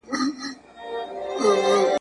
سهار وختی مي تقریباً څلور کیلومیتره قدم وواهه !.